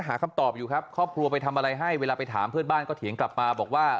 หาคำตอบอยู่ครับครอบครัวไปทำอะไรให้เวลาไปถามเพื่อนบ้านก็เถียงกลับมาบอกว่า